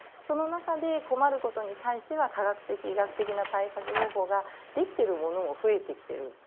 その中で困ることに対しては科学的・医学的な対策方法ができてるものも増えてきてる。